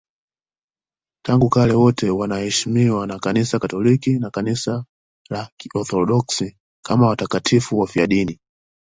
Tangu kale wote wanaheshimiwa na Kanisa Katoliki na Kanisa la Kiorthodoksi kama watakatifu wafiadini.